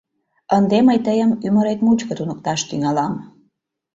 Ынде мый тыйым ӱмырет мучко туныкташ тӱҥалам».